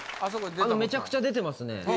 めちゃくちゃ出てますね。